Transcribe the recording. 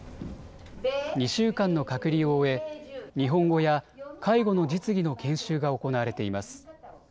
２週間の隔離を終え日本語や介護の実技の研修が行われています。